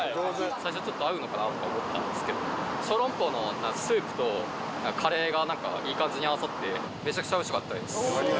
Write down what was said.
最初、ちょっと合うのかなと思ったんですけど、小籠包のスープとカレーが、なんかいい感じに合わさって、めちゃくちゃおいしかったです。